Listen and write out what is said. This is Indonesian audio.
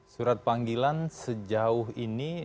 surat panggilan sejauh ini